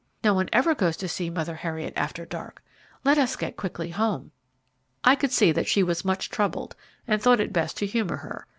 No one ever goes to see Mother Heriot after dark. Let us get quickly home." I could see that she was much troubled, and thought it best to humour her.